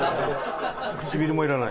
唇もいらない。